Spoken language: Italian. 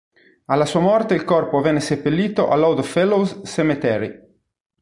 Alla sua morte il corpo venne seppellito all'Odd Fellows Cemetery.